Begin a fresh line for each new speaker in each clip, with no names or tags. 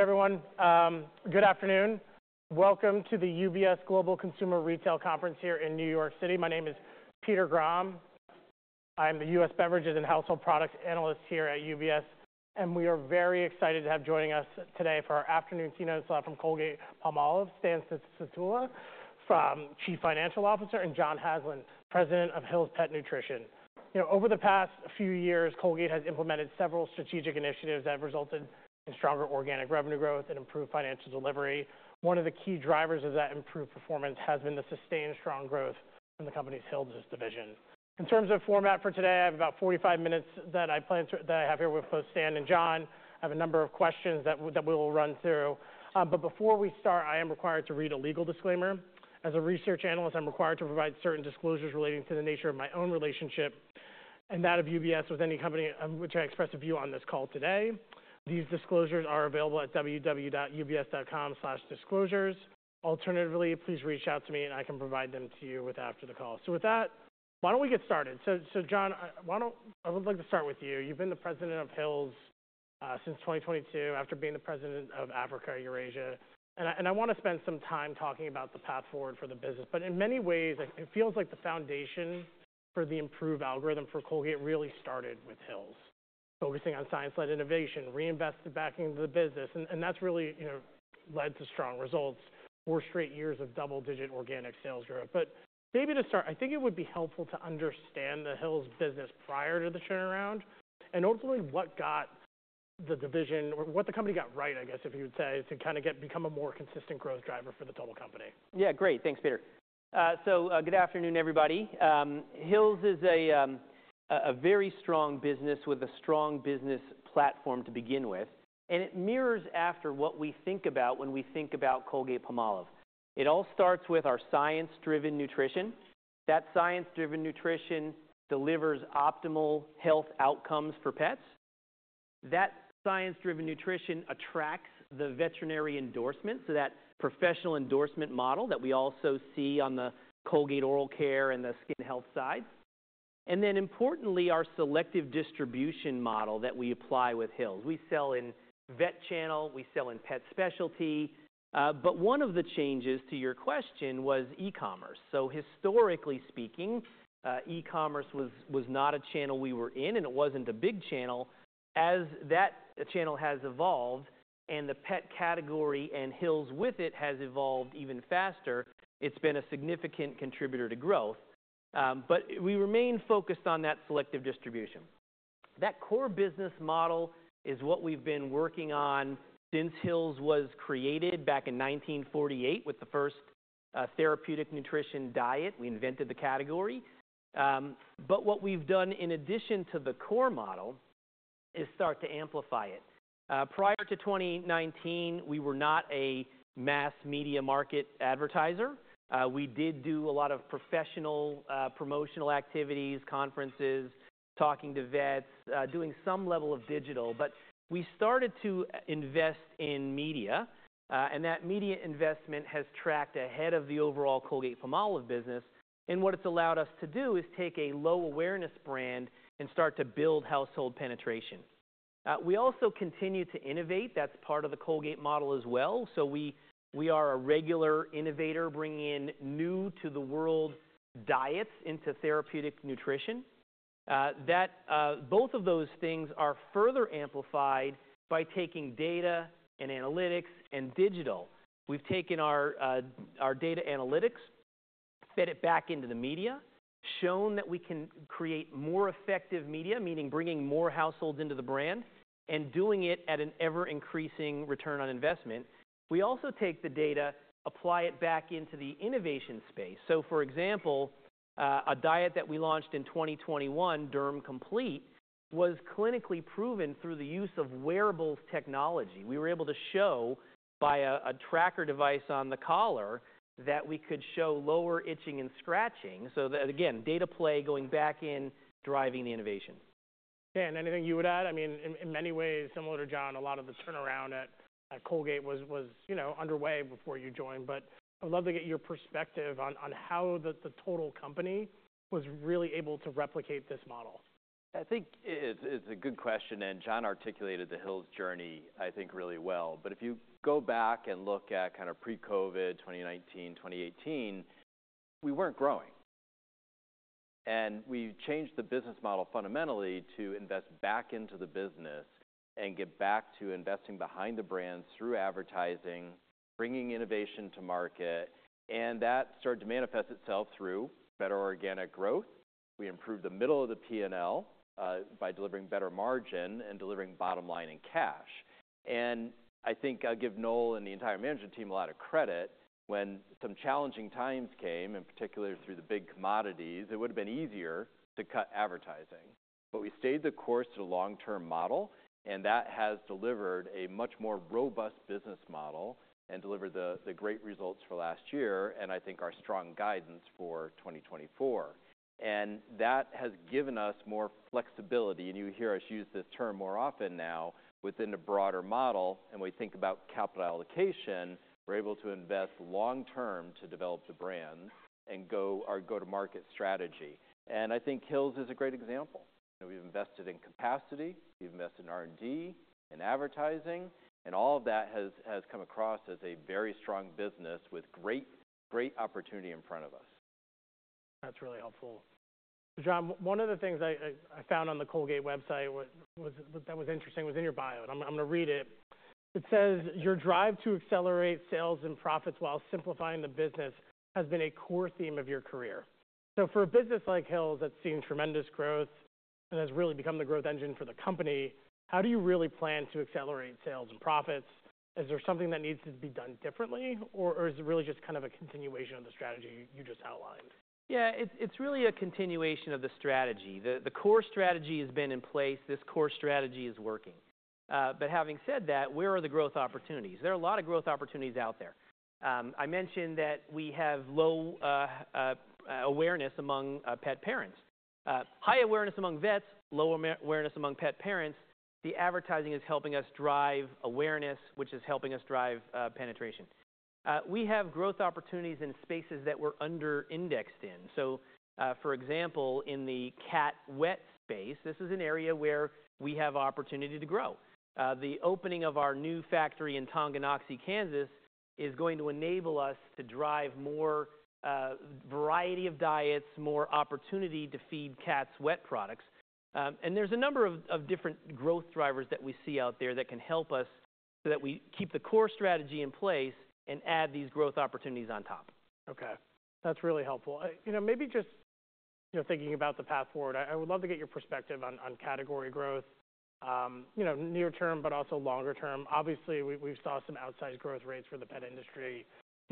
Everyone, good afternoon. Welcome to the UBS Global Consumer Retail Conference here in New York City. My name is Peter Grom. I am the U.S. Beverages and Household Products analyst here at UBS, and we are very excited to have joining us today for our afternoon keynote slot from Colgate-Palmolive, Stanley Sutula, Chief Financial Officer, and John Hazlin, President of Hill's Pet Nutrition. You know, over the past few years, Colgate has implemented several strategic initiatives that have resulted in stronger organic revenue growth and improved financial delivery. One of the key drivers of that improved performance has been the sustained strong growth from the company's Hill's division. In terms of format for today, I have about 45 minutes that I have here with both Stan and John. I have a number of questions that we will run through. Before we start, I am required to read a legal disclaimer. As a research analyst, I'm required to provide certain disclosures relating to the nature of my own relationship and that of UBS with any company of which I express a view on this call today. These disclosures are available at www.ubs.com/disclosures. Alternatively, please reach out to me, and I can provide them to you after the call. So with that, why don't we get started? So, John, I would like to start with you. You've been the President of Hill's since 2022 after being the President of Africa and Eurasia. And I want to spend some time talking about the path forward for the business. But in many ways, it feels like the foundation for the improved algorithm for Colgate really started with Hill's, focusing on science-led innovation, reinvested back into the business, and that's really, you know, led to strong results, four straight years of double-digit organic sales growth. But maybe to start, I think it would be helpful to understand the Hill's business prior to the turnaround and ultimately what got the division or what the company got right, I guess, if you would say, to kind of get become a more consistent growth driver for the total company.
Yeah, great. Thanks, Peter. So, good afternoon, everybody. Hill's is a very strong business with a strong business platform to begin with, and it mirrors after what we think about when we think about Colgate-Palmolive. It all starts with our science-driven nutrition. That science-driven nutrition delivers optimal health outcomes for pets. That science-driven nutrition attracts the veterinary endorsement, so that professional endorsement model that we also see on the Colgate oral care and the skin health sides. And then importantly, our selective distribution model that we apply with Hill's. We sell in vet channel. We sell in pet specialty. But one of the changes to your question was e-commerce. So historically speaking, e-commerce was not a channel we were in, and it wasn't a big channel. As that channel has evolved and the pet category and Hill's with it has evolved even faster, it's been a significant contributor to growth. We remain focused on that selective distribution. That core business model is what we've been working on since Hill's was created back in 1948 with the first therapeutic nutrition diet. We invented the category. What we've done in addition to the core model is start to amplify it. Prior to 2019, we were not a mass media market advertiser. We did do a lot of professional promotional activities, conferences, talking to vets, doing some level of digital. We started to invest in media, and that media investment has tracked ahead of the overall Colgate-Palmolive business. What it's allowed us to do is take a low-awareness brand and start to build household penetration. We also continue to innovate. That's part of the Colgate model as well. So we are a regular innovator bringing in new-to-the-world diets into therapeutic nutrition. That, both of those things are further amplified by taking data and analytics and digital. We've taken our data analytics, fed it back into the media, shown that we can create more effective media, meaning bringing more households into the brand, and doing it at an ever-increasing return on investment. We also take the data, apply it back into the innovation space. So for example, a diet that we launched in 2021, Derm Complete, was clinically proven through the use of wearables technology. We were able to show by a tracker device on the collar that we could show lower itching and scratching. So that again, data play going back in driving the innovation.
Yeah. And anything you would add? I mean, in many ways, similar to John, a lot of the turnaround at Colgate was, you know, underway before you joined. But I would love to get your perspective on how the total company was really able to replicate this model.
I think it's a good question. And John articulated the Hill's journey, I think, really well. But if you go back and look at kind of pre-COVID, 2019, 2018, we weren't growing. And we changed the business model fundamentally to invest back into the business and get back to investing behind the brands through advertising, bringing innovation to market. And that started to manifest itself through better organic growth. We improved the middle of the P&L, by delivering better margin and delivering bottom line in cash. And I think I'll give Noel and the entire management team a lot of credit. When some challenging times came, in particular through the big commodities, it would have been easier to cut advertising. But we stayed the course to the long-term model, and that has delivered a much more robust business model and delivered the great results for last year and I think our strong guidance for 2024. And that has given us more flexibility. And you hear us use this term more often now within a broader model. And we think about capital allocation. We're able to invest long-term to develop the brands and our go-to-market strategy. And I think Hill's is a great example. You know, we've invested in capacity. We've invested in R&D, in advertising. And all of that has come across as a very strong business with great opportunity in front of us.
That's really helpful. John, one of the things I found on the Colgate website that was interesting was in your bio. And I'm going to read it. It says, "Your drive to accelerate sales and profits while simplifying the business has been a core theme of your career." So for a business like Hill's that's seen tremendous growth and has really become the growth engine for the company, how do you really plan to accelerate sales and profits? Is there something that needs to be done differently, or is it really just kind of a continuation of the strategy you just outlined?
Yeah, it's really a continuation of the strategy. The core strategy has been in place. This core strategy is working. But having said that, where are the growth opportunities? There are a lot of growth opportunities out there. I mentioned that we have low awareness among pet parents, high awareness among vets, low awareness among pet parents. The advertising is helping us drive awareness, which is helping us drive penetration. We have growth opportunities in spaces that we're under-indexed in. So, for example, in the cat wet space, this is an area where we have opportunity to grow. The opening of our new factory in Tonganoxie, Kansas, is going to enable us to drive more variety of diets, more opportunity to feed cats wet products. There's a number of different growth drivers that we see out there that can help us so that we keep the core strategy in place and add these growth opportunities on top.
Okay. That's really helpful. You know, maybe just, you know, thinking about the path forward, I would love to get your perspective on category growth, you know, near-term but also longer-term. Obviously, we saw some outsized growth rates for the pet industry, you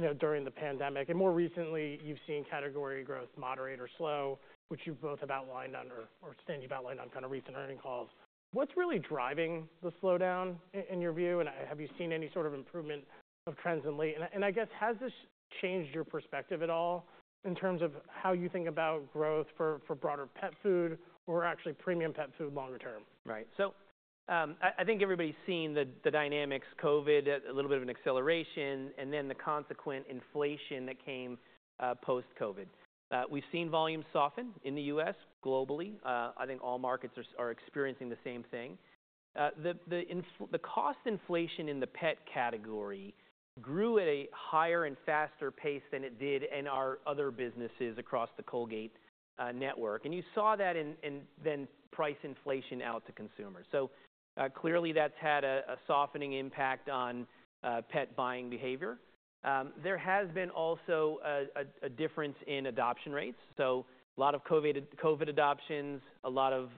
know, during the pandemic. And more recently, you've seen category growth moderate or slow, which you both have outlined on, or Stan, you've outlined on kind of recent earnings calls. What's really driving the slowdown, in your view? And have you seen any sort of improvement in trends lately? And I guess, has this changed your perspective at all in terms of how you think about growth for broader pet food or actually premium pet food longer-term?
Right. So, I think everybody's seen the dynamics, COVID, a little bit of an acceleration, and then the consequent inflation that came, post-COVID. We've seen volumes soften in the U.S., globally. I think all markets are experiencing the same thing. The cost inflation in the pet category grew at a higher and faster pace than it did in our other businesses across the Colgate network. And you saw that in then price inflation out to consumers. So, clearly, that's had a softening impact on pet buying behavior. There has been also a difference in adoption rates. So a lot of COVID adoptions, a lot of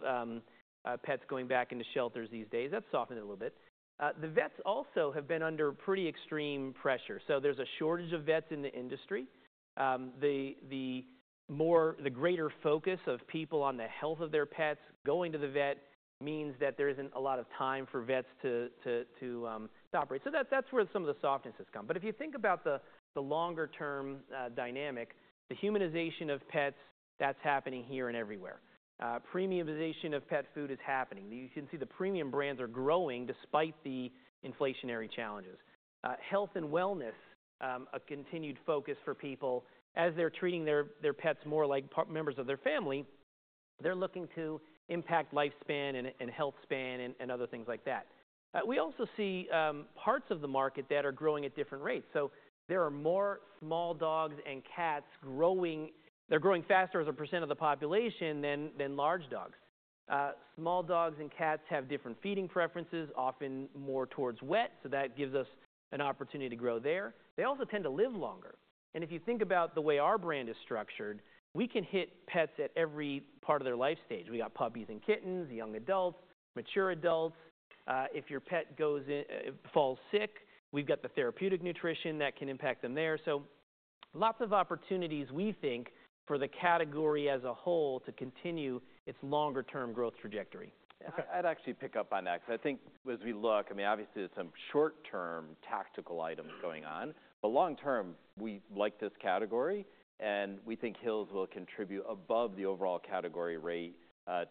pets going back into shelters these days, that's softened a little bit. The vets also have been under pretty extreme pressure. So there's a shortage of vets in the industry. The more the greater focus of people on the health of their pets going to the vet means that there isn't a lot of time for vets to operate. So that's where some of the softness has come. But if you think about the longer-term dynamic, the humanization of pets, that's happening here and everywhere. Premiumization of pet food is happening. You can see the premium brands are growing despite the inflationary challenges. Health and wellness, a continued focus for people. As they're treating their pets more like part members of their family, they're looking to impact lifespan and health span and other things like that. We also see parts of the market that are growing at different rates. So there are more small dogs and cats growing; they're growing faster as a percent of the population than large dogs. Small dogs and cats have different feeding preferences, often more towards wet. So that gives us an opportunity to grow there. They also tend to live longer. And if you think about the way our brand is structured, we can hit pets at every part of their life stage. We got puppies and kittens, young adults, mature adults. If your pet goes ill, falls sick, we've got the therapeutic nutrition that can impact them there. So lots of opportunities, we think, for the category as a whole to continue its longer-term growth trajectory.
I'd actually pick up on that because I think as we look, I mean, obviously, there's some short-term tactical items going on. But long-term, we like this category, and we think Hill's will contribute above the overall category rate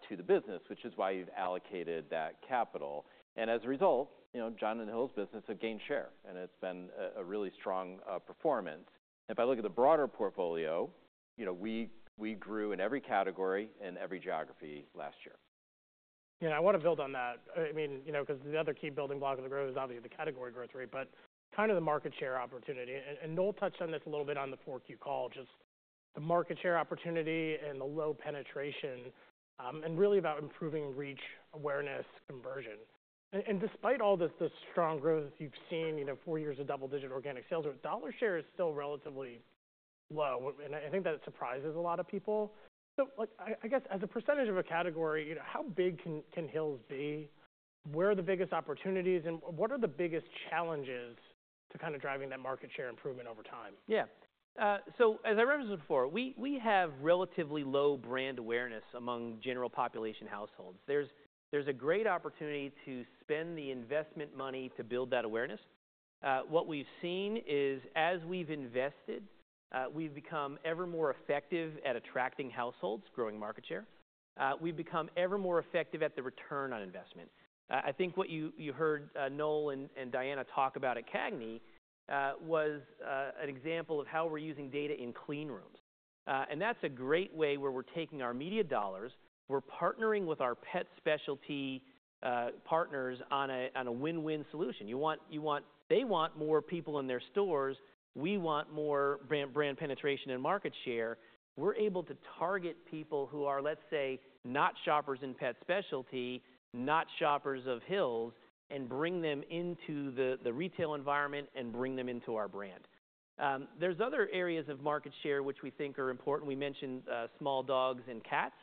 to the business, which is why you've allocated that capital. And as a result, you know, John and Hill's business have gained share, and it's been a really strong performance. And if I look at the broader portfolio, you know, we grew in every category and every geography last year.
Yeah. And I want to build on that. I mean, you know, because the other key building block of the growth is obviously the category growth rate, but kind of the market share opportunity. And Noel touched on this a little bit on the 4Q call, just the market share opportunity and the low penetration, and really about improving reach, awareness, conversion. And despite all this strong growth you've seen, you know, four years of double-digit organic sales, dollar share is still relatively low. And I think that surprises a lot of people. So like, I guess, as a percentage of a category, you know, how big can Hill's be? Where are the biggest opportunities? And what are the biggest challenges to kind of driving that market share improvement over time?
Yeah. So as I referenced before, we have relatively low brand awareness among general population households. There's a great opportunity to spend the investment money to build that awareness. What we've seen is as we've invested, we've become ever more effective at attracting households, growing market share. We've become ever more effective at the return on investment. I think what you heard, Noel and Diana talk about at CAGNY was an example of how we're using data in clean rooms. And that's a great way where we're taking our media dollars. We're partnering with our pet specialty partners on a win-win solution. You want they want more people in their stores. We want more brand penetration and market share. We're able to target people who are, let's say, not shoppers in pet specialty, not shoppers of Hill's, and bring them into the retail environment and bring them into our brand. There's other areas of market share which we think are important. We mentioned small dogs and cats,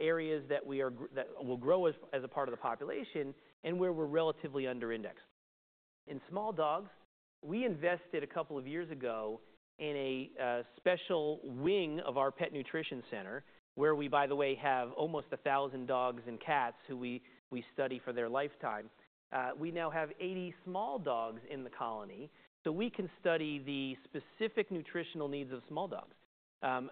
areas that we are that will grow as a part of the population and where we're relatively under-indexed. In small dogs, we invested a couple of years ago in a special wing of our pet nutrition center where we, by the way, have almost 1,000 dogs and cats who we study for their lifetime. We now have 80 small dogs in the colony. So we can study the specific nutritional needs of small dogs.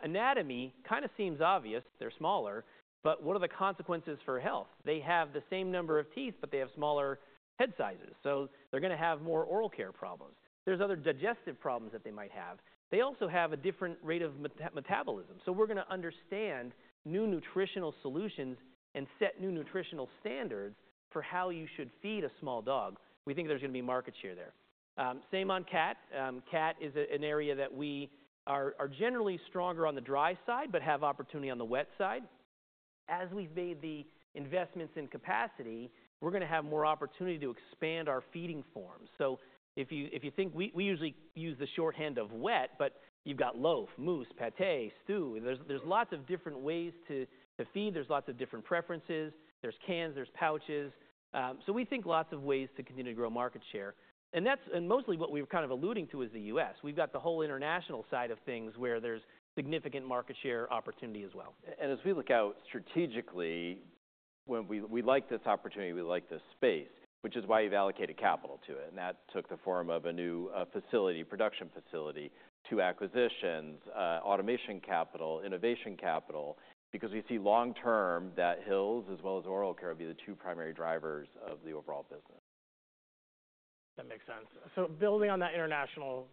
Anatomy kind of seems obvious. They're smaller. But what are the consequences for health? They have the same number of teeth, but they have smaller head sizes. So they're going to have more oral care problems. There's other digestive problems that they might have. They also have a different rate of metabolism. So we're going to understand new nutritional solutions and set new nutritional standards for how you should feed a small dog. We think there's going to be market share there. Same on cat. Cat is an area that we are generally stronger on the dry side but have opportunity on the wet side. As we've made the investments in capacity, we're going to have more opportunity to expand our feeding forms. So if you think we usually use the shorthand of wet, but you've got loaf, mousse, pâté, stew. There's lots of different ways to feed. There's lots of different preferences. There's cans. There's pouches. So we think lots of ways to continue to grow market share. And that's mostly what we're kind of alluding to is the U.S. We've got the whole international side of things where there's significant market share opportunity as well.
And as we look out strategically, when we like this opportunity, we like this space, which is why you've allocated capital to it. And that took the form of a new facility, production facility, two acquisitions, automation capital, innovation capital, because we see long-term that Hill's as well as oral care will be the two primary drivers of the overall business.
That makes sense. So building on that international,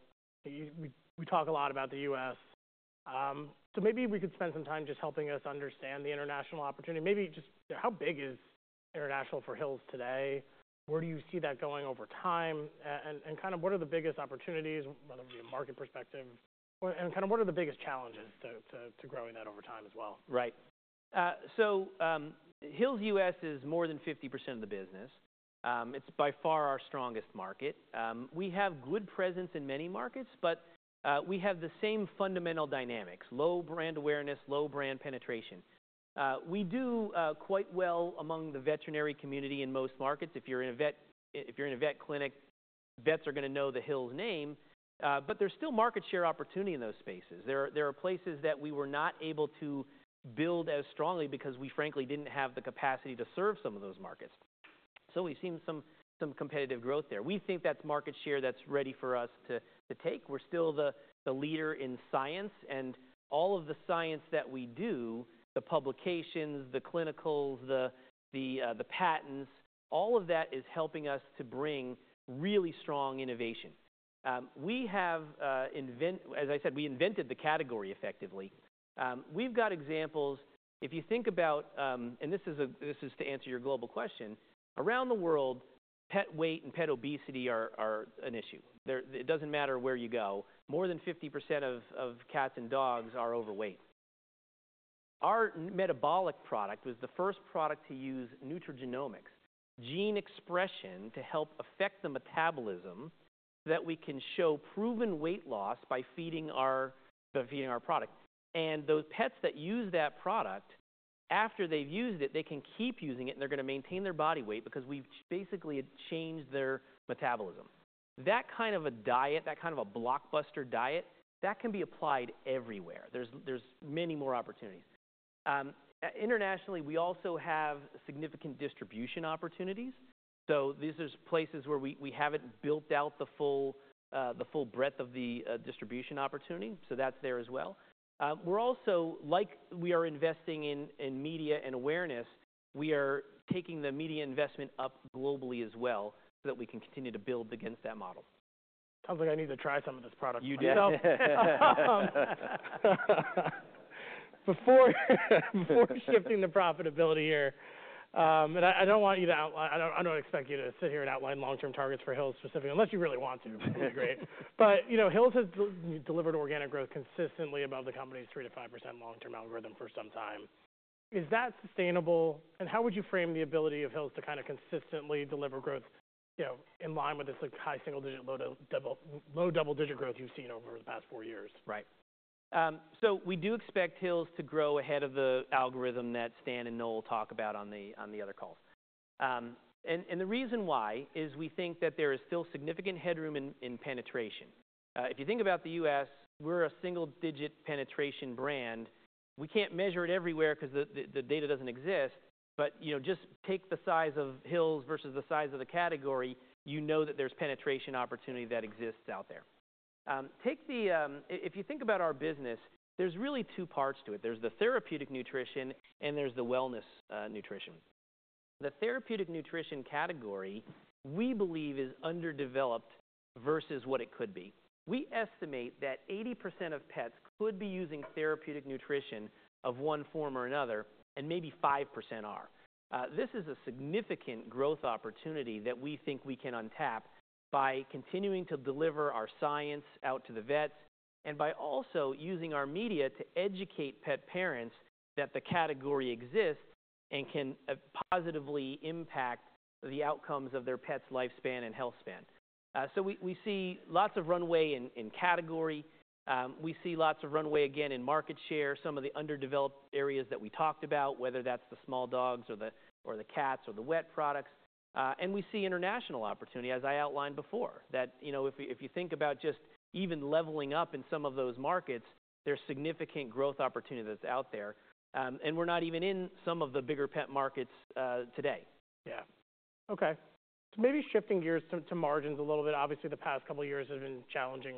we talk a lot about the U.S. So maybe we could spend some time just helping us understand the international opportunity. Maybe just how big is international for Hill's today? Where do you see that going over time? And kind of what are the biggest opportunities, whether it be a market perspective, and kind of what are the biggest challenges to growing that over time as well?
Right. So, Hill's U.S. is more than 50% of the business. It's by far our strongest market. We have good presence in many markets, but we have the same fundamental dynamics, low brand awareness, low brand penetration. We do quite well among the veterinary community in most markets. If you're in a vet clinic, vets are going to know the Hill's name. But there's still market share opportunity in those spaces. There are places that we were not able to build as strongly because we frankly didn't have the capacity to serve some of those markets. So we've seen some competitive growth there. We think that's market share that's ready for us to take. We're still the leader in science. All of the science that we do, the publications, the clinicals, the patents, all of that is helping us to bring really strong innovation. We have, as I said, we invented the category effectively. We've got examples. If you think about, and this is to answer your global question, around the world, pet weight and pet obesity are an issue. There, it doesn't matter where you go. More than 50% of cats and dogs are overweight. Our Metabolic product was the first product to use nutrigenomics, gene expression, to help affect the metabolism so that we can show proven weight loss by feeding our product. And those pets that use that product, after they've used it, they can keep using it, and they're going to maintain their body weight because we've basically changed their metabolism. That kind of a diet, that kind of a blockbuster diet, that can be applied everywhere. There's many more opportunities. Internationally, we also have significant distribution opportunities. So these are places where we haven't built out the full breadth of the distribution opportunity. So that's there as well. We're also like we are investing in media and awareness; we are taking the media investment up globally as well so that we can continue to build against that model.
Sounds like I need to try some of this product for myself.
You do.
Before shifting to profitability here, and I don't want you to outline. I don't expect you to sit here and outline long-term targets for Hill's specifically unless you really want to. That would be great. But, you know, Hill's has delivered organic growth consistently above the company's 3%-5% long-term algorithm for some time. Is that sustainable? And how would you frame the ability of Hill's to kind of consistently deliver growth, you know, in line with this, like, high single-digit, low double-digit growth you've seen over the past four years?
Right. So we do expect Hill's to grow ahead of the algorithm that Stan and Noel talk about on the other calls. And the reason why is we think that there is still significant headroom in penetration. If you think about the US, we're a single-digit penetration brand. We can't measure it everywhere because the data doesn't exist. But, you know, just take the size of Hill's versus the size of the category, you know that there's penetration opportunity that exists out there. Take the, if you think about our business, there's really two parts to it. There's the therapeutic nutrition, and there's the wellness nutrition. The therapeutic nutrition category, we believe, is underdeveloped versus what it could be. We estimate that 80% of pets could be using therapeutic nutrition of one form or another, and maybe 5% are. This is a significant growth opportunity that we think we can untap by continuing to deliver our science out to the vets and by also using our media to educate pet parents that the category exists and can positively impact the outcomes of their pets' lifespan and health span. So we see lots of runway in category. We see lots of runway, again, in market share, some of the underdeveloped areas that we talked about, whether that's the small dogs or the cats or the wet products. And we're not even in some of the bigger pet markets, today.
Yeah. OK. So maybe shifting gears to margins a little bit. Obviously, the past couple of years have been challenging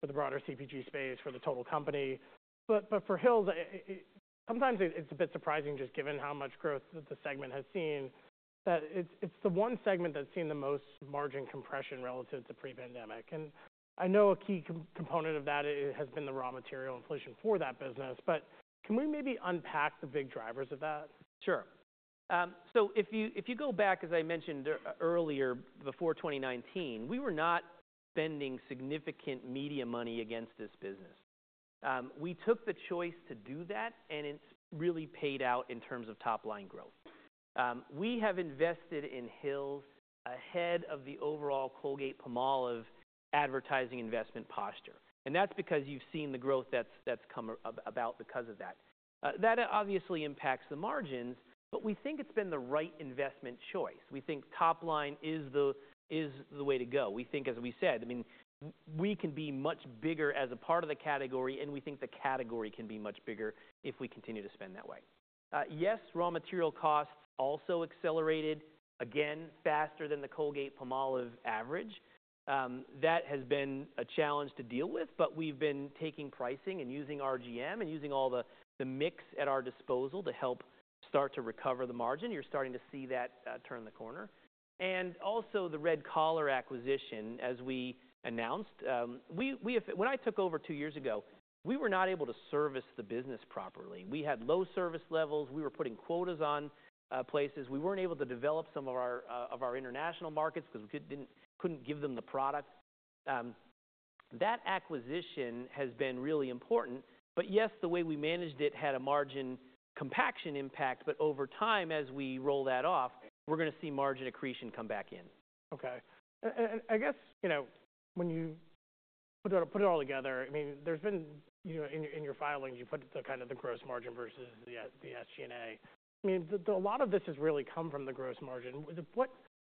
for the broader CPG space, for the total company. But for Hill's, sometimes it's a bit surprising just given how much growth the segment has seen, that it's the one segment that's seen the most margin compression relative to pre-pandemic. And I know a key component of that has been the raw material inflation for that business. But can we maybe unpack the big drivers of that?
Sure. So if you go back, as I mentioned earlier, before 2019, we were not spending significant media money against this business. We took the choice to do that, and it's really paid out in terms of top-line growth. We have invested in Hill's ahead of the overall Colgate-Palmolive advertising investment posture. And that's because you've seen the growth that's come about because of that. That obviously impacts the margins. But we think it's been the right investment choice. We think top-line is the way to go. We think, as we said, I mean, we can be much bigger as a part of the category, and we think the category can be much bigger if we continue to spend that way. Yes, raw material costs also accelerated, again, faster than the Colgate-Palmolive average. That has been a challenge to deal with. But we've been taking pricing and using RGM and using all the mix at our disposal to help start to recover the margin. You're starting to see that turn the corner. And also the Red Collar acquisition, as we announced. We when I took over two years ago, we were not able to service the business properly. We had low service levels. We were putting quotas on places. We weren't able to develop some of our international markets because we couldn't give them the product. That acquisition has been really important. But yes, the way we managed it had a margin compaction impact. But over time, as we roll that off, we're going to see margin accretion come back in.
OK. And I guess, you know, when you put it all together, I mean, there's been, you know, in your filings, you put the kind of the gross margin versus the SG&A. I mean, a lot of this has really come from the gross margin.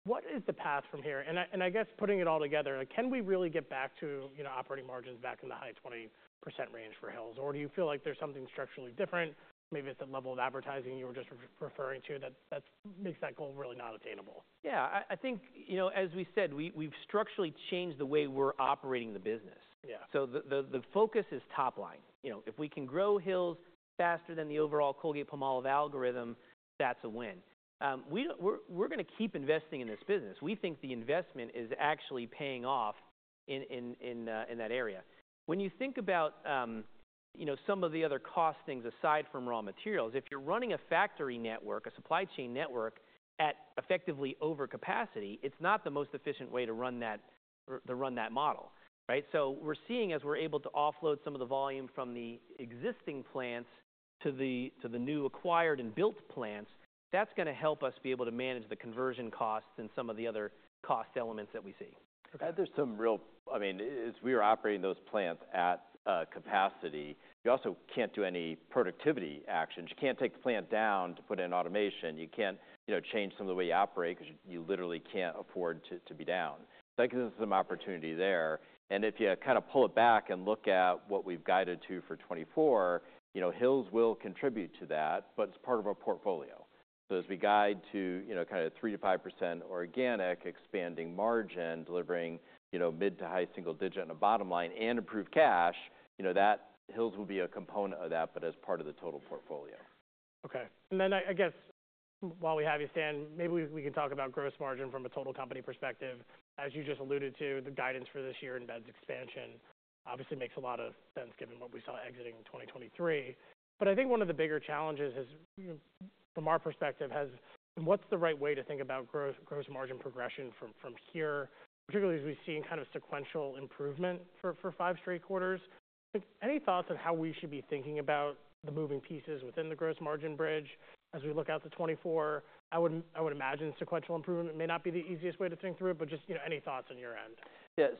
What is the path from here? And I guess putting it all together, can we really get back to, you know, operating margins back in the high 20% range for Hill's? Or do you feel like there's something structurally different? Maybe it's that level of advertising you were just referring to that makes that goal really not attainable?
Yeah. I think, you know, as we said, we've structurally changed the way we're operating the business.
Yeah.
So the focus is top-line. You know, if we can grow Hill's faster than the overall Colgate-Palmolive algorithm, that's a win. We're going to keep investing in this business. We think the investment is actually paying off in that area. When you think about, you know, some of the other cost things aside from raw materials, if you're running a factory network, a supply chain network, at effectively overcapacity, it's not the most efficient way to run that model, right? So we're seeing, as we're able to offload some of the volume from the existing plants to the new acquired and built plants, that's going to help us be able to manage the conversion costs and some of the other cost elements that we see.
OK.
There's some real. I mean, as we are operating those plants at capacity, you also can't do any productivity actions. You can't take the plant down to put in automation. You can't, you know, change some of the way you operate because you literally can't afford to be down. So I think there's some opportunity there. If you kind of pull it back and look at what we've guided to for 2024, you know, Hill's will contribute to that, but it's part of our portfolio. So as we guide to, you know, kind of 3%-5% organic, expanding margin, delivering, you know, mid to high single-digit in the bottom line, and improved cash, you know, that Hill's will be a component of that but as part of the total portfolio.
OK. And then I guess while we have you, Stan, maybe we can talk about gross margin from a total company perspective. As you just alluded to, the guidance for this year in gross margin expansion obviously makes a lot of sense given what we saw exiting 2023. But I think one of the bigger challenges has, you know, from our perspective, what's the right way to think about gross margin progression from here, particularly as we've seen kind of sequential improvement for five straight quarters? Any thoughts on how we should be thinking about the moving pieces within the gross margin bridge as we look out to 2024? I would imagine sequential improvement may not be the easiest way to think through it. But just, you know, any thoughts on your end?
Yeah.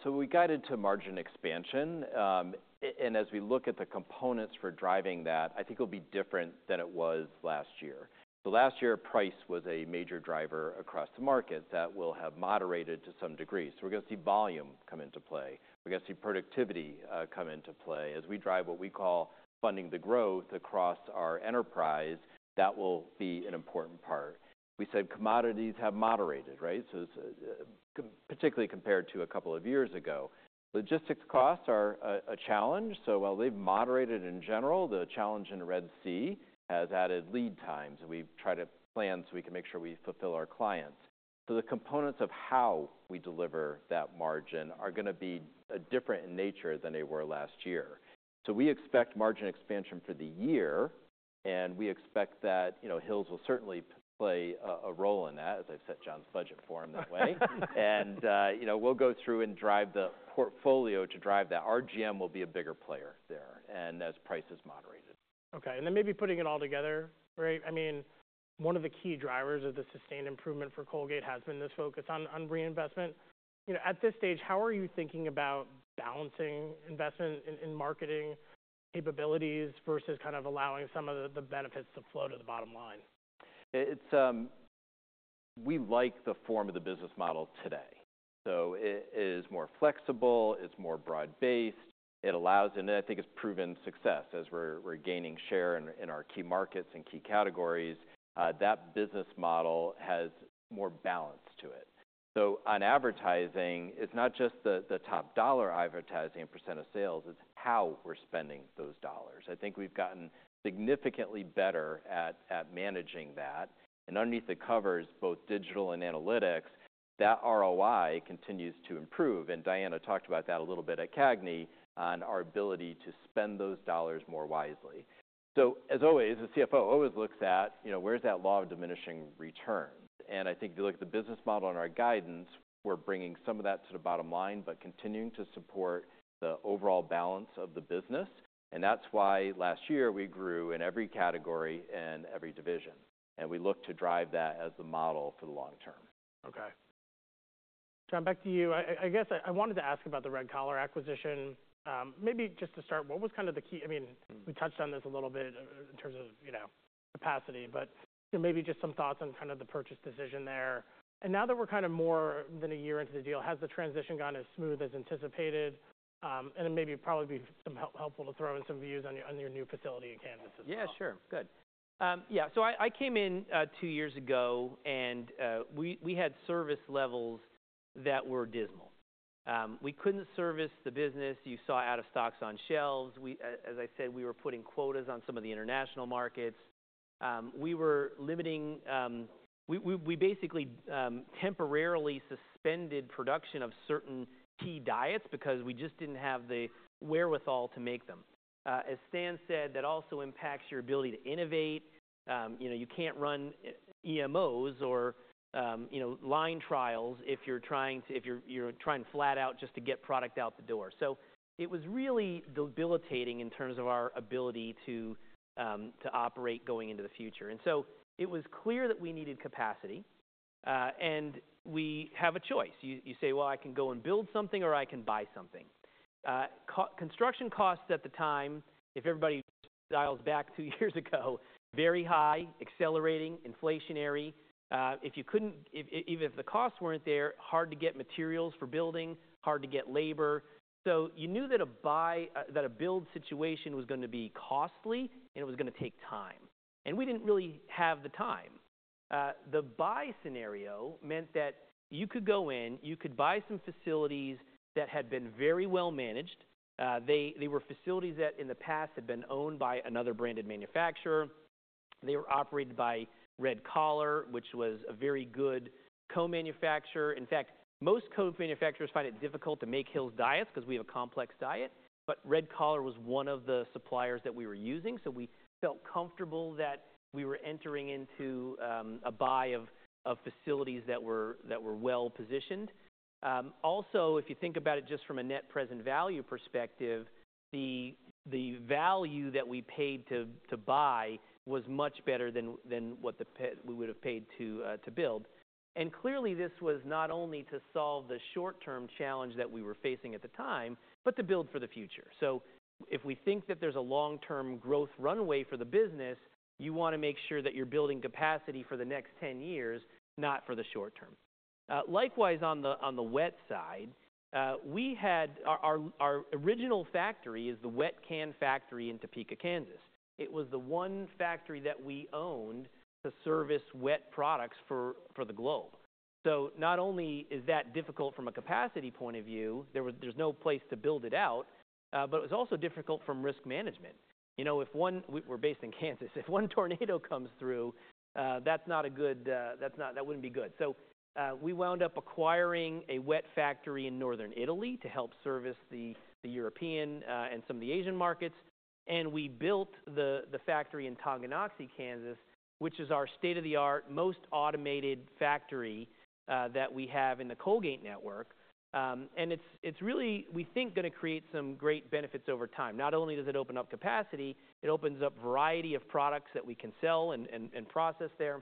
So we guided to margin expansion. And as we look at the components for driving that, I think it'll be different than it was last year. So last year, price was a major driver across the markets that will have moderated to some degree. So we're going to see volume come into play. We're going to see productivity come into play. As we drive what we call funding the growth across our enterprise, that will be an important part. We said commodities have moderated, right? So it's particularly compared to a couple of years ago. Logistics costs are a challenge. So while they've moderated in general, the challenge in Red Sea has added lead times. And we've tried to plan so we can make sure we fulfill our clients. So the components of how we deliver that margin are going to be different in nature than they were last year. So we expect margin expansion for the year. And we expect that, you know, Hill's will certainly play a role in that, as I've set John's budget for him that way. And, you know, we'll go through and drive the portfolio to drive that. RGM will be a bigger player there as price has moderated.
OK. And then maybe putting it all together, right, I mean, one of the key drivers of the sustained improvement for Colgate has been this focus on reinvestment. You know, at this stage, how are you thinking about balancing investment in marketing capabilities versus kind of allowing some of the benefits to flow to the bottom line?
It's. We like the form of the business model today. So it is more flexible. It's more broad-based. It allows and I think it's proven success as we're gaining share in our key markets and key categories. That business model has more balance to it. So on advertising, it's not just the top dollar advertising and percent of sales. It's how we're spending those dollars. I think we've gotten significantly better at managing that. And underneath the covers, both digital and analytics, that ROI continues to improve. And Diana talked about that a little bit at CAGNY on our ability to spend those dollars more wisely. So as always, the CFO always looks at, you know, where's that law of diminishing returns? I think if you look at the business model and our guidance, we're bringing some of that to the bottom line but continuing to support the overall balance of the business. That's why last year, we grew in every category and every division. We look to drive that as the model for the long term.
OK. John, back to you. I guess I wanted to ask about the Red Collar acquisition. Maybe just to start, what was kind of the key? I mean, we touched on this a little bit in terms of, you know, capacity. But, you know, maybe just some thoughts on kind of the purchase decision there. And now that we're kind of more than a year into the deal, has the transition gone as smooth as anticipated? And it maybe probably be some helpful to throw in some views on your new facility in Kansas as well.
Yeah, sure. Good. Yeah. So I came in two years ago. We had service levels that were dismal. We couldn't service the business. You saw out-of-stocks on shelves. As I said, we were putting quotas on some of the international markets. We were limiting. We basically temporarily suspended production of certain key diets because we just didn't have the wherewithal to make them. As Stan said, that also impacts your ability to innovate. You know, you can't run EMOs or line trials if you're trying to flat out just to get product out the door. So it was really debilitating in terms of our ability to operate going into the future. So it was clear that we needed capacity. We have a choice. You say, well, I can go and build something, or I can buy something. Construction costs at the time, if everybody dials back two years ago, very high, accelerating, inflationary. If you couldn't even if the costs weren't there, hard to get materials for building, hard to get labor. So you knew that a buy that a build situation was going to be costly, and it was going to take time. And we didn't really have the time. The buy scenario meant that you could go in. You could buy some facilities that had been very well managed. They were facilities that in the past had been owned by another branded manufacturer. They were operated by Red Collar, which was a very good co-manufacturer. In fact, most co-manufacturers find it difficult to make Hill's diets because we have a complex diet. But Red Collar was one of the suppliers that we were using. So we felt comfortable that we were entering into a buy of facilities that were well positioned. Also, if you think about it just from a net present value perspective, the value that we paid to buy was much better than what we would have paid to build. And clearly, this was not only to solve the short-term challenge that we were facing at the time but to build for the future. So if we think that there's a long-term growth runway for the business, you want to make sure that you're building capacity for the next 10 years, not for the short term. Likewise, on the wet side, we had our original factory is the wet can factory in Topeka, Kansas. It was the one factory that we owned to service wet products for the globe. So not only is that difficult from a capacity point of view, there's no place to build it out, but it was also difficult from risk management. You know, if one, we're based in Kansas. If one tornado comes through, that's not good, that wouldn't be good. So, we wound up acquiring a wet factory in northern Italy to help service the European, and some of the Asian markets. And we built the factory in Tonganoxie, Kansas, which is our state-of-the-art, most automated factory that we have in the Colgate network. And it's really, we think, going to create some great benefits over time. Not only does it open up capacity, it opens up a variety of products that we can sell and process there.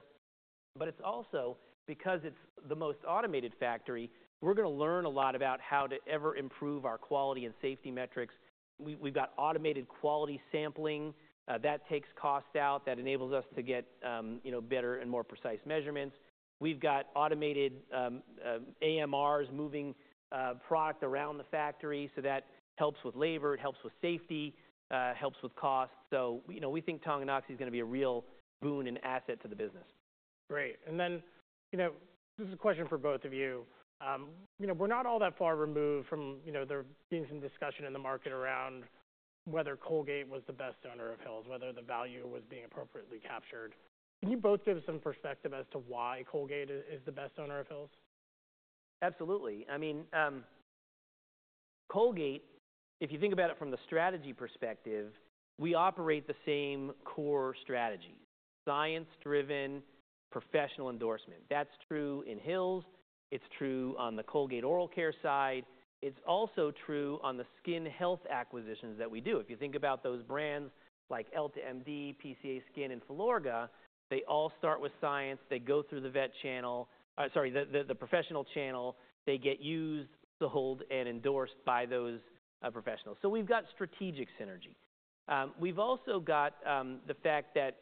But it's also, because it's the most automated factory, we're going to learn a lot about how to ever improve our quality and safety metrics. We've got automated quality sampling. That takes cost out. That enables us to get, you know, better and more precise measurements. We've got automated AMRs moving product around the factory. So that helps with labor. It helps with safety. It helps with costs. So, you know, we think Tonganoxie is going to be a real boon and asset to the business.
Great. And then, you know, this is a question for both of you. You know, we're not all that far removed from, you know, there being some discussion in the market around whether Colgate was the best owner of Hill's, whether the value was being appropriately captured. Can you both give some perspective as to why Colgate is the best owner of Hill's?
Absolutely. I mean, Colgate, if you think about it from the strategy perspective, we operate the same core strategies: science-driven, professional endorsement. That's true in Hill's. It's true on the Colgate oral care side. It's also true on the skin health acquisitions that we do. If you think about those brands like EltaMD, PCA Skin, and Filorga, they all start with science. They go through the vet channel sorry, the professional channel. They get used, sold, and endorsed by those professionals. So we've got strategic synergy. We've also got the fact that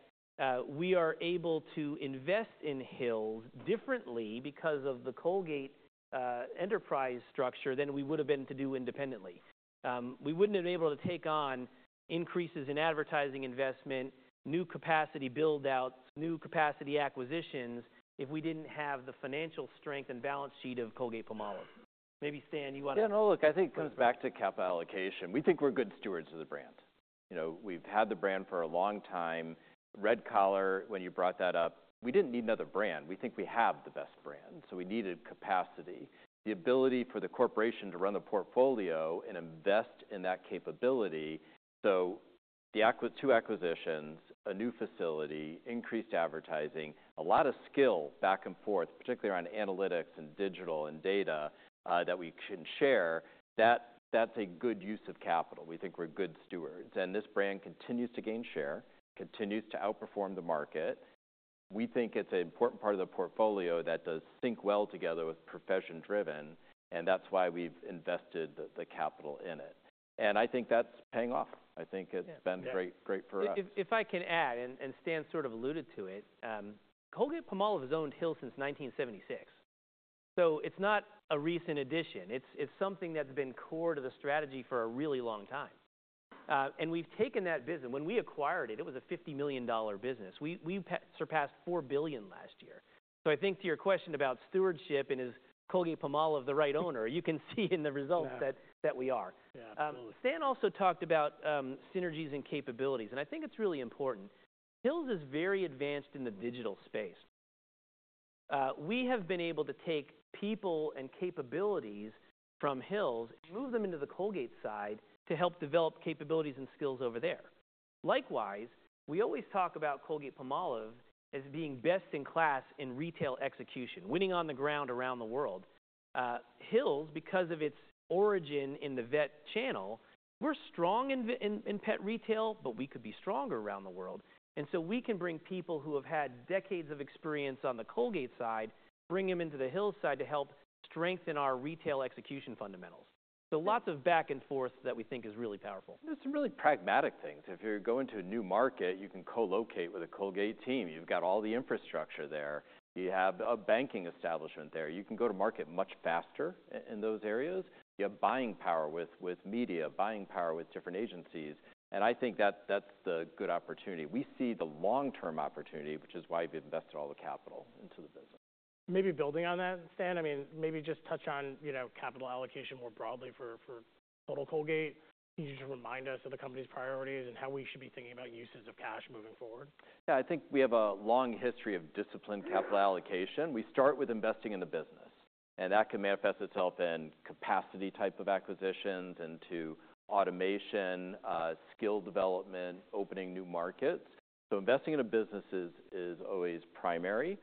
we are able to invest in Hill's differently because of the Colgate enterprise structure than we would have been able to do independently. We wouldn't have been able to take on increases in advertising investment, new capacity build-outs, new capacity acquisitions if we didn't have the financial strength and balance sheet of Colgate-Palmolive. Maybe, Stan, you want to.
Yeah. No, look. I think it comes back to capital allocation. We think we're good stewards of the brand. You know, we've had the brand for a long time. Red Collar, when you brought that up, we didn't need another brand. We think we have the best brand. So we needed capacity, the ability for the corporation to run the portfolio and invest in that capability. So the two acquisitions, a new facility, increased advertising, a lot of skill back and forth, particularly around analytics and digital and data, that we can share, that that's a good use of capital. We think we're good stewards. And this brand continues to gain share, continues to outperform the market. We think it's an important part of the portfolio that does sync well together with profession-driven. And that's why we've invested the capital in it. And I think that's paying off. I think it's been great great for us.
If I can add, and Stan sort of alluded to it, Colgate-Palmolive has owned Hill's since 1976. So it's not a recent addition. It's something that's been core to the strategy for a really long time. We've taken that business when we acquired it; it was a $50 million business. We surpassed $4 billion last year. So I think to your question about stewardship and is Colgate-Palmolive the right owner, you can see in the results that we are.
Yeah, absolutely.
Stan also talked about synergies and capabilities. I think it's really important. Hill's is very advanced in the digital space. We have been able to take people and capabilities from Hill's and move them into the Colgate side to help develop capabilities and skills over there. Likewise, we always talk about Colgate-Palmolive as being best in class in retail execution, winning on the ground around the world. Hill's, because of its origin in the vet channel, we're strong in pet retail, but we could be stronger around the world. And so we can bring people who have had decades of experience on the Colgate side, bring them into the Hill's side to help strengthen our retail execution fundamentals. So lots of back and forth that we think is really powerful.
There's some really pragmatic things. If you're going to a new market, you can co-locate with a Colgate team. You've got all the infrastructure there. You have a banking establishment there. You can go to market much faster in those areas. You have buying power with media, buying power with different agencies. And I think that that's the good opportunity. We see the long-term opportunity, which is why we've invested all the capital into the business.
Maybe building on that, Stan? I mean, maybe just touch on, you know, capital allocation more broadly for Total Colgate. Can you just remind us of the company's priorities and how we should be thinking about uses of cash moving forward?
Yeah. I think we have a long history of disciplined capital allocation. We start with investing in the business. And that can manifest itself in capacity type of acquisitions and to automation, skill development, opening new markets. So investing in a business is always primary.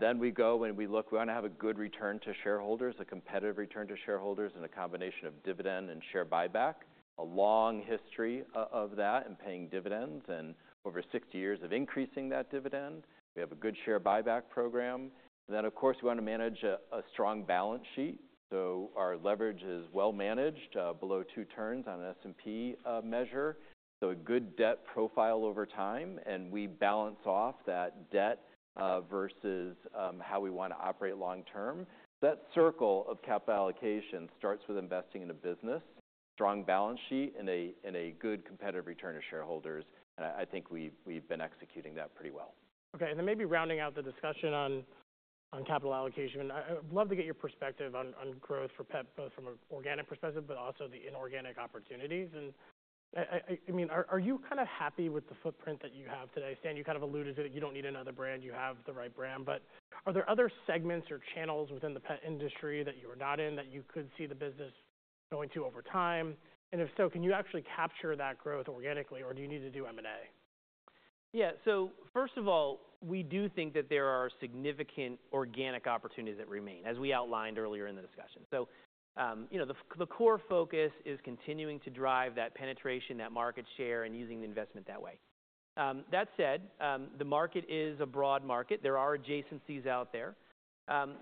Then we go and we look. We want to have a good return to shareholders, a competitive return to shareholders, and a combination of dividend and share buyback, a long history of that and paying dividends and over 60 years of increasing that dividend. We have a good share buyback program. And then, of course, we want to manage a strong balance sheet. So our leverage is well managed, below two turns on an S&P, measure. So a good debt profile over time. And we balance off that debt, versus, how we want to operate long term. So that circle of capital allocation starts with investing in a business, strong balance sheet, and a good competitive return to shareholders. And I think we've been executing that pretty well.
OK. And then maybe rounding out the discussion on capital allocation, I would love to get your perspective on growth for pet, both from an organic perspective but also the inorganic opportunities. And I mean, are you kind of happy with the footprint that you have today? Stan, you kind of alluded to that you don't need another brand. You have the right brand. But are there other segments or channels within the pet industry that you are not in that you could see the business going to over time? And if so, can you actually capture that growth organically, or do you need to do M&A?
Yeah. So first of all, we do think that there are significant organic opportunities that remain, as we outlined earlier in the discussion. So, you know, the core focus is continuing to drive that penetration, that market share, and using the investment that way. That said, the market is a broad market. There are adjacencies out there.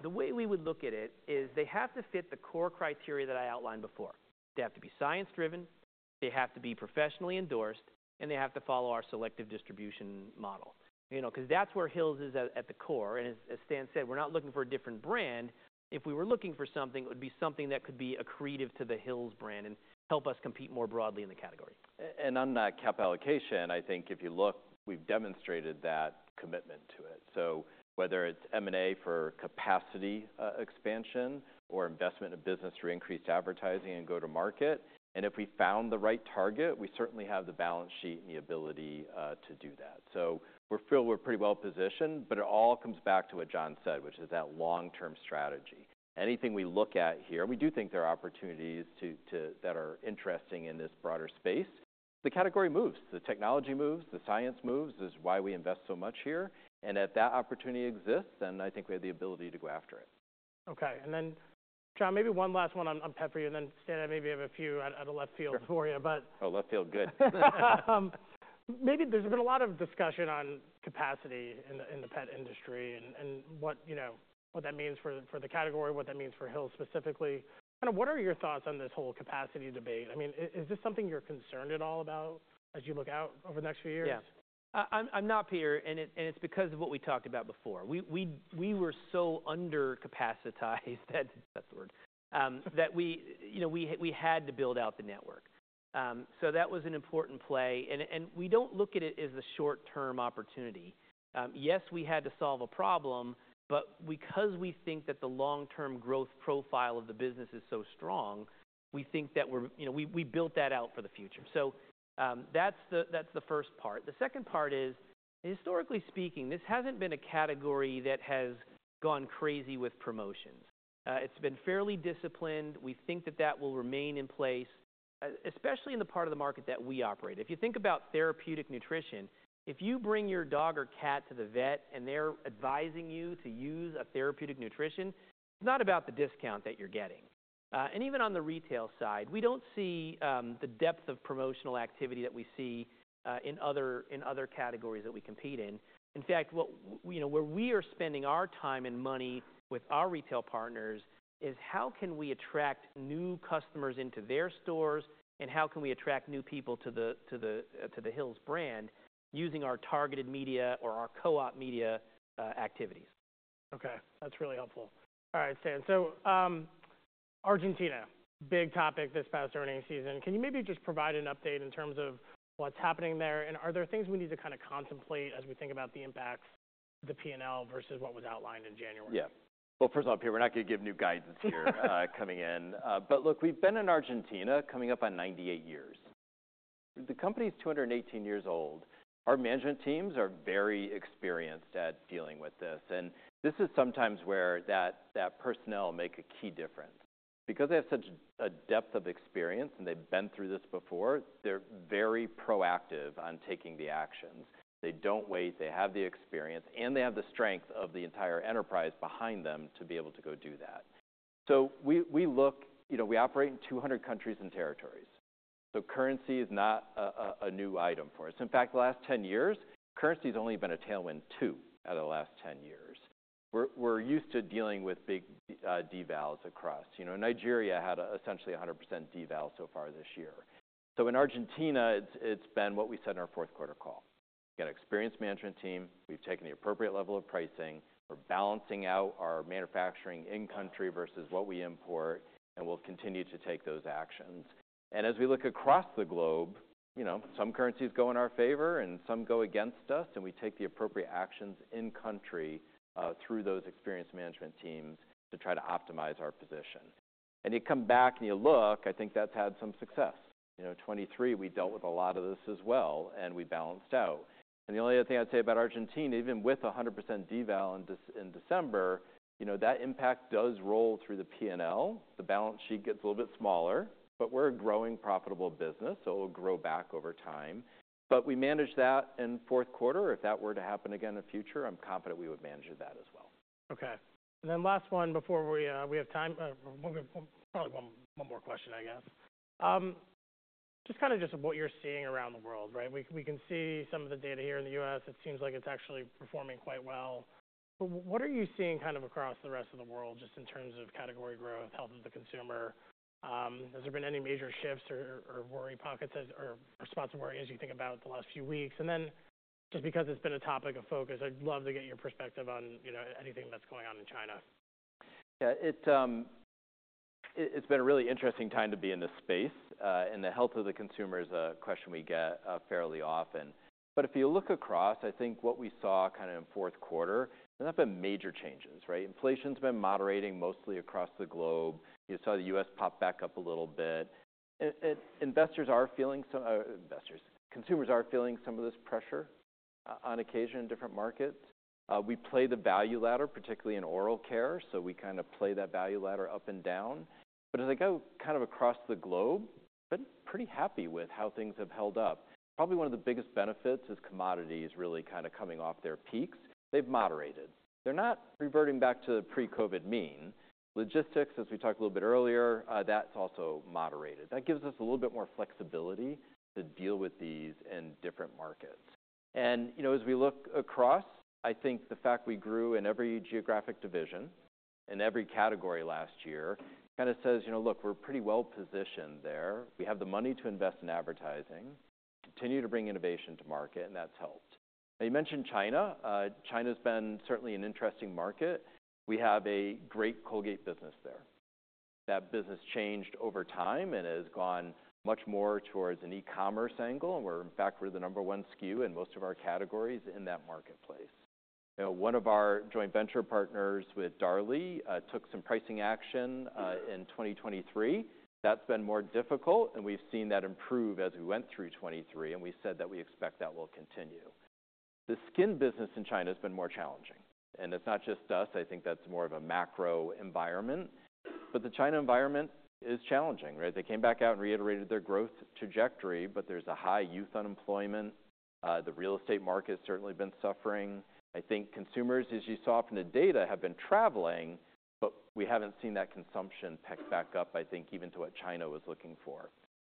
The way we would look at it is they have to fit the core criteria that I outlined before. They have to be science-driven. They have to be professionally endorsed. And they have to follow our selective distribution model, you know, because that's where Hill's is at the core. And as Stan said, we're not looking for a different brand. If we were looking for something, it would be something that could be accretive to the Hill's brand and help us compete more broadly in the category.
On that capital allocation, I think if you look, we've demonstrated that commitment to it. So whether it's M&A for capacity, expansion or investment in business through increased advertising and go-to-market, and if we found the right target, we certainly have the balance sheet and the ability to do that. So we feel we're pretty well positioned. But it all comes back to what John said, which is that long-term strategy. Anything we look at here and we do think there are opportunities to that are interesting in this broader space, the category moves. The technology moves. The science moves is why we invest so much here. And if that opportunity exists, then I think we have the ability to go after it.
OK. And then, John, maybe one last one on pet for you. And then, Stan, I maybe have a few out of left field for you.
Oh, left field good.
Maybe there's been a lot of discussion on capacity in the pet industry and what, you know, what that means for the category, what that means for Hill's specifically. Kind of what are your thoughts on this whole capacity debate? I mean, is this something you're concerned at all about as you look out over the next few years?
Yeah. I'm not Peter. And it's because of what we talked about before. We were so undercapacitized, that's the word that we, you know, we had to build out the network. So that was an important play. And we don't look at it as the short-term opportunity. Yes, we had to solve a problem. But because we think that the long-term growth profile of the business is so strong, we think that we're, you know, we built that out for the future. So, that's the first part. The second part is, historically speaking, this hasn't been a category that has gone crazy with promotions. It's been fairly disciplined. We think that will remain in place, especially in the part of the market that we operate. If you think about therapeutic nutrition, if you bring your dog or cat to the vet and they're advising you to use a therapeutic nutrition, it's not about the discount that you're getting. And even on the retail side, we don't see the depth of promotional activity that we see in other categories that we compete in. In fact, you know, where we are spending our time and money with our retail partners is how can we attract new customers into their stores, and how can we attract new people to the Hill's brand using our targeted media or our co-op media activities.
OK. That's really helpful. All right, Stan. So, Argentina, big topic this past earnings season. Can you maybe just provide an update in terms of what's happening there? And are there things we need to kind of contemplate as we think about the impacts, the P&L, versus what was outlined in January?
Yeah. Well, first of all, Peter, we're not going to give new guidance here, coming in. But look, we've been in Argentina coming up on 98 years. The company's 218 years old. Our management teams are very experienced at dealing with this. And this is sometimes where that personnel make a key difference. Because they have such a depth of experience and they've been through this before, they're very proactive on taking the actions. They don't wait. They have the experience. And they have the strength of the entire enterprise behind them to be able to go do that. So we look, you know, we operate in 200 countries and territories. So currency is not a new item for us. In fact, the last 10 years, currency has only been a tailwind, two, out of the last 10 years. We're used to dealing with big devaluations across. You know, Nigeria had essentially 100% devaluation so far this year. So in Argentina, it's been what we said in our fourth quarter call. We've got an experienced management team. We've taken the appropriate level of pricing. We're balancing out our manufacturing in-country versus what we import. And we'll continue to take those actions. And as we look across the globe, you know, some currencies go in our favor and some go against us. And we take the appropriate actions in-country, through those experienced management teams to try to optimize our position. And you come back and you look, I think that's had some success. You know, 2023, we dealt with a lot of this as well. And we balanced out. The only other thing I'd say about Argentina, even with 100% devaluation in December, you know, that impact does roll through the P&L. The balance sheet gets a little bit smaller. We're a growing, profitable business. It will grow back over time. We managed that in fourth quarter. If that were to happen again in the future, I'm confident we would manage that as well.
OK. And then last one before we have time, probably one more question, I guess. Just what you're seeing around the world, right? We can see some of the data here in the U.S. It seems like it's actually performing quite well. But what are you seeing kind of across the rest of the world just in terms of category growth, health of the consumer? Has there been any major shifts or worry pockets or spots of worry as you think about the last few weeks? And then just because it's been a topic of focus, I'd love to get your perspective on, you know, anything that's going on in China.
Yeah. It's been a really interesting time to be in this space. The health of the consumer is a question we get fairly often. But if you look across, I think what we saw kind of in fourth quarter, there have been major changes, right? Inflation's been moderating mostly across the globe. You saw the U.S. pop back up a little bit. And investors are feeling some investors, consumers are feeling some of this pressure on occasion in different markets. We play the value ladder, particularly in oral care. So we kind of play that value ladder up and down. But as I go kind of across the globe, I've been pretty happy with how things have held up. Probably one of the biggest benefits is commodities really kind of coming off their peaks. They've moderated. They're not reverting back to the pre-COVID mean. Logistics, as we talked a little bit earlier, that's also moderated. That gives us a little bit more flexibility to deal with these in different markets. You know, as we look across, I think the fact we grew in every geographic division in every category last year kind of says, you know, look, we're pretty well positioned there. We have the money to invest in advertising, continue to bring innovation to market. And that's helped. Now, you mentioned China. China's been certainly an interesting market. We have a great Colgate business there. That business changed over time and has gone much more towards an e-commerce angle. And we're, in fact, we're the number one SKU in most of our categories in that marketplace. You know, one of our joint venture partners with Darlie took some pricing action in 2023. That's been more difficult. And we've seen that improve as we went through 2023. And we said that we expect that will continue. The skin business in China has been more challenging. And it's not just us. I think that's more of a macro environment. But the China environment is challenging, right? They came back out and reiterated their growth trajectory. But there's a high youth unemployment. The real estate market's certainly been suffering. I think consumers, as you saw from the data, have been traveling. But we haven't seen that consumption pick back up, I think, even to what China was looking for.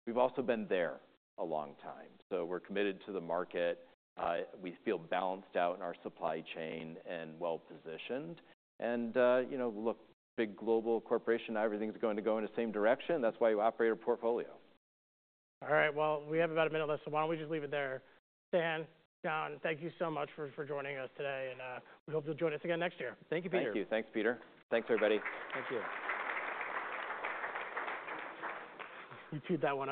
We've also been there a long time. So we're committed to the market. We feel balanced out in our supply chain and well positioned. And, you know, look, big global corporation, everything's going to go in the same direction. That's why you operate a portfolio.
All right. Well, we have about a minute left. So why don't we just leave it there? Stan, John, thank you so much for joining us today. And we hope you'll join us again next year.
Thank you, Peter.
Thank you. Thanks, Peter. Thanks, everybody.
Thank you. You chewed that one.